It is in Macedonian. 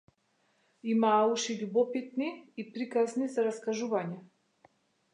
Имаа уши љубопитни и приказни за раскажување.